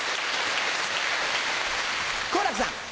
好楽さん。